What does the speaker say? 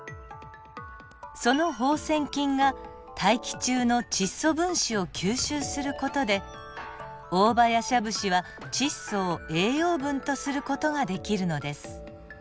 その放線菌が大気中の窒素分子を吸収する事でオオバヤシャブシは窒素を栄養分とする事ができるのです。